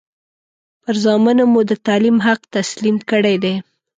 پر زامنو مو د تعلیم حق تسلیم کړی دی.